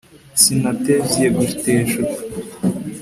Sinatevye guteshuka